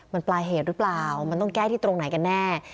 มันปลายเหตุหรือเปล่ามันต้องแก้ที่ตรงไหนกันแน่